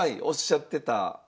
おっしゃってた。